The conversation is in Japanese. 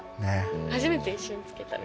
初めて一緒につけたね。